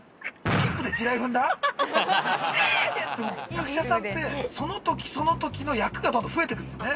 ◆役者さんて、そのときそのときの役がどんどん増えてくんだね。